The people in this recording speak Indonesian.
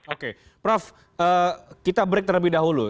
oke prof kita break terlebih dahulu